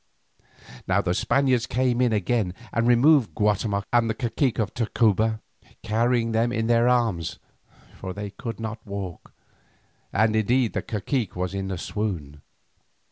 Now the Spaniards came in again and removed Guatemoc and the cacique of Tacuba, carrying them in their arms, for they could not walk, and indeed the cacique was in a swoon.